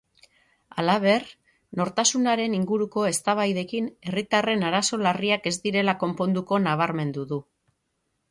Halaber, nortasunaren inguruko eztabaidekin herritarren arazo larriak ez direla konponduko nabarmendu du.